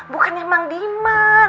bukannya emang dima